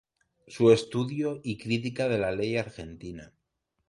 Su estudio y crítica de la ley argentina".